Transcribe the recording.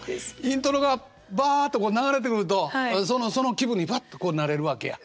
イントロがバッと流れてくるとその気分にバッとこうなれるわけや。